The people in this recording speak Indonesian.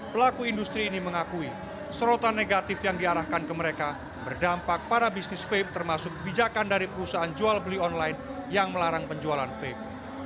pelaku industri ini mengakui serotan negatif yang diarahkan ke mereka berdampak pada bisnis vape termasuk bijakan dari perusahaan jual beli online yang melarang penjualan vape